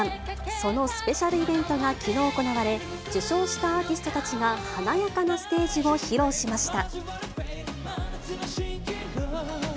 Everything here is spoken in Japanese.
そのスペシャルイベントがきのう行われ、受賞したアーティストたちが華やかなステージを披露しました。